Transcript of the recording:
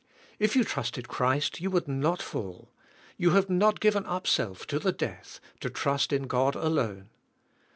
If you trusted Christ you would not fall. You have not given up self to the death, to trust in God alone.